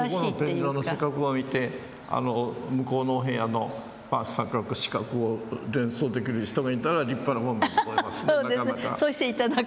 でもここの天井の四角を見て向こうのお部屋の三角四角を連想できる人がいたら立派なものでございますねなかなか。